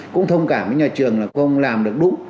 cũng thông cảm với nhà trường là không làm được đúng